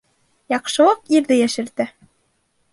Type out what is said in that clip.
Яҡшылыҡ ирҙе йәшәртә.